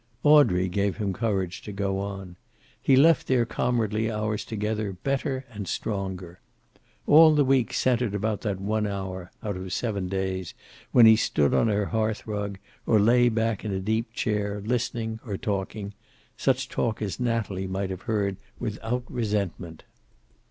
Audrey gave him courage to go on. He left their comradely hours together better and stronger. All the week centered about that one hour, out of seven days, when he stood on her hearth rug, or lay back in a deep chair, listening or talking such talk as Natalie might have heard without resentment.